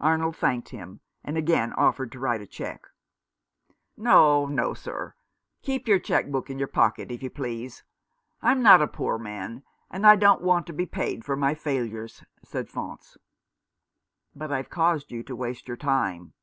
Arnold thanked him, and again offered to write a cheque. " No, no, sir ; keep your cheque book in your pocket, if you please. I'm not a poor man, and I don't want to be paid for my failures," said Faunce. "But I've caused you to waste your time."